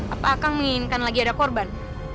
apa akan menginginkan lagi ada korban